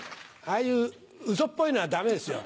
ああいうウソっぽいのはダメですよ。